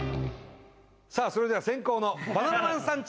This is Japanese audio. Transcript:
さあそれでは先攻のバナナマンさん